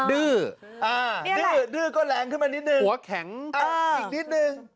ดื้ออ่าเดี๋ยวก็แรงขึ้นมานิดนึงหัวแข็งอ่าอีกนิดนึง